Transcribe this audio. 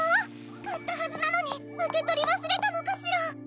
かったはずなのにうけとりわすれたのかしら！？